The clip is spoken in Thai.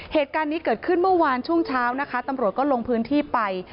เหตุการณ์นี้เกิดขึ้นเมื่อวานช่วงเช้านะคะตำรวจก็ลงพื้นที่ไป